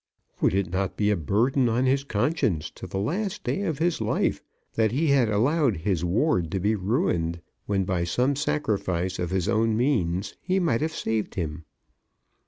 Would it not be a burden on his conscience to the last day of his life that he had allowed his ward to be ruined, when by some sacrifice of his own means he might have saved him?